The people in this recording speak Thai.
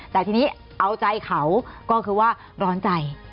แต่ทีนี้เอาใจเขาก็คือว่าร้อนใจ